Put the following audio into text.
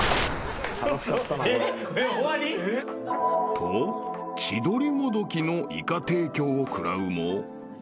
［と千鳥もどきのイカ提供を食らうも］